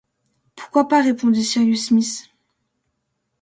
Pourquoi pas répondit Cyrus Smith.